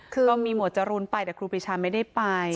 คือก็มีหวดจรูนไปแต่ครูปีชาไม่ได้ไป